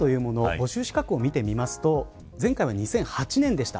募集資格を見てみますと前回は２００８年でした。